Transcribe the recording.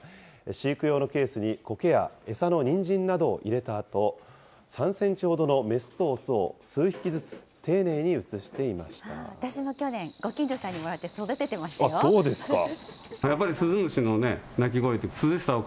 飼育用のケースに、こけや餌のにんじんなどを入れたあと、３センチほどの雌と雄を数匹ずつ、私も去年、ご近所さんにもらって育ててましたよ。